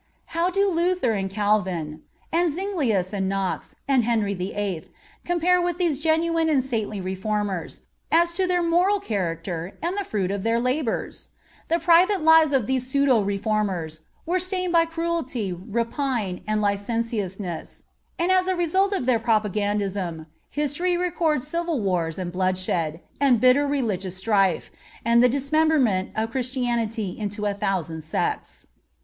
How do Luther and Calvin, and Zuinglius and Knox, and Henry VIII. compare with these genuine and saintly reformers, both as to their moral character and the fruit or their labors? The private lives of these pseudo reformers were stained by cruelty, rapine, and licentiousness; and as the result of their propagandism, history records civil wars, and bloodshed, and bitter religious strife, and the dismemberment of Christianity into a thousand sects.